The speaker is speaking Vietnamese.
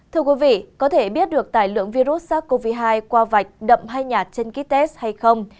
thưa quý vị có thể biết được tài lượng virus sars cov hai qua vạch đậm hay nhạt trên kites hay không